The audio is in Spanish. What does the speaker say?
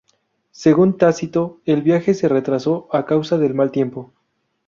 Según Tácito, el viaje se retrasó a causa del mal tiempo.